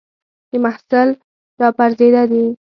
د محصل را پرځېده دي